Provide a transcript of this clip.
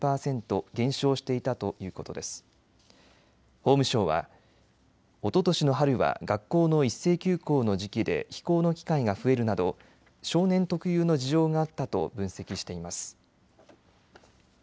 法務省はおととしの春は学校の一斉休校の時期で非行の機会が増えるなど少年特有の事情があったと分析しています。